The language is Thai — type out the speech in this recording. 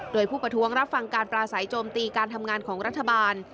โดยผู้ประท้วงรับฟังการปราศัยโจมตีการทำงานของรัฐบาล